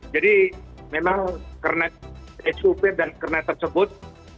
jadi memang kernet sopir truk dan kernet tersebut